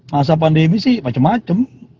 masa pandemi sih macem macem